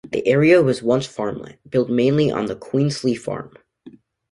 The area was once farmland, built mainly on the Queenslie Farm.